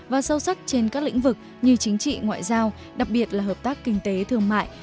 và sâu sắc trên các lĩnh vực như chính trị ngoại giao đặc biệt là hợp tác kinh tế thương mại